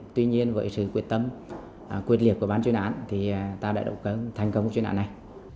tuy nhiên với sự quyết tâm quyết liệt của bán chuyên án thì ta đã đổ cơm thành công của chuyên án này